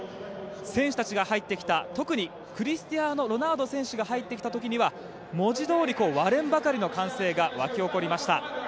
選手たちが入ってきた時特に、クリスティアーノ・ロナウド選手が入ってきた時には文字どおり割れんばかりの歓声が沸き起こりました。